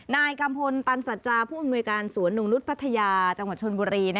นายกัมพลตันสัจจาผู้อำนวยการสวนหนุ่งนุษย์พัทยาจังหวัดชนบุรี